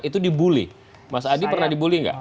itu dibully mas adi pernah dibully nggak